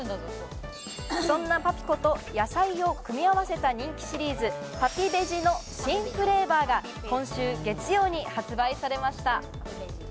そんなパピコと野菜を組み合わせた人気シリーズ・パピベジの新フレーバーが今週月曜に発売されました。